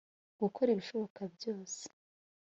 gukora ibishoboka byose